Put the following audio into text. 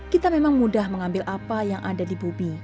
kita memang mudah mengambil apa yang ada di bumi